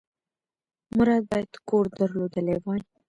مراد باید کور درلودلی وای.